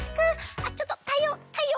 あっちょっと太陽が太陽が！